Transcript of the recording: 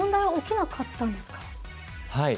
はい。